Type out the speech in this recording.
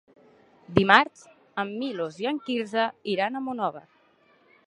Dimarts en Milos i en Quirze iran a Monòver.